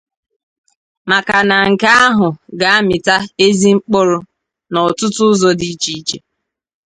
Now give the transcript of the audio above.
maka na nke ahụ ga-amịta ezi mkpụrụ n'ọtụtụ ụzọ dị iche iche.